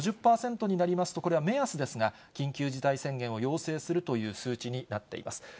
５０％になりますと、これは目安ですが、緊急事態宣言を要請するという数値になっています。